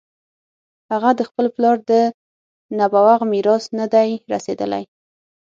هغه د خپل پلار د نبوغ میراث نه دی رسېدلی.